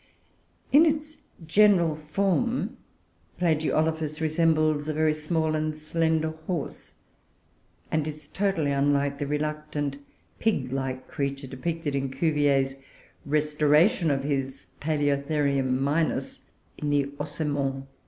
In its general form, Plagiolophus resembles a very small and slender horse, and is totally unlike the reluctant, pig like creature depicted in Cuvier's restoration of his Paloeotherium minus in the "Ossemens Fossiles."